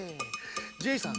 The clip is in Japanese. ジェイさん